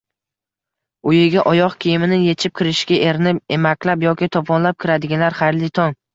Uyiga oyoq kiyimini yechib kirishga erinib, emaklab yoki tovonlab kiradiganlar, xayrli tong!